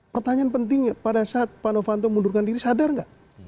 pertanyaan pentingnya pada saat pak novanto mundurkan diri sadar nggak